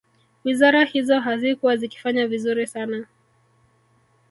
Wizara hizo hazikuwa zikifanya vizuri sana